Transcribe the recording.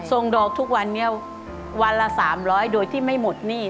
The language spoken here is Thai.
ส่งดอกทุกวันนี้วันละ๓๐๐โดยที่ไม่หมดหนี้